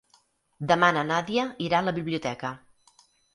Demà na Nàdia irà a la biblioteca.